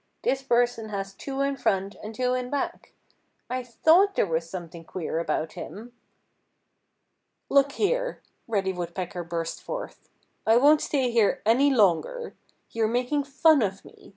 This person has two in front and two in back. I thought there was something queer about him." "Look here!" Reddy Woodpecker burst forth. "I won't stay here any longer. You're making fun of me.